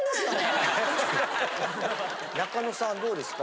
中野さんはどうですか？